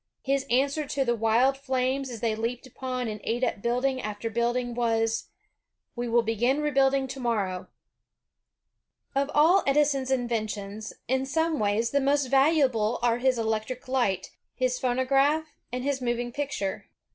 His answer to the wild flames as they leaped upon and ate up building after building was, "We will begin rebuilding to morrow." Edison's famous Of all Edison's inventions, in some ways the most val uable are his electric light, his phonograph, and liis moving picture.